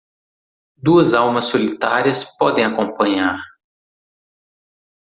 Duas almas solitárias podem acompanhar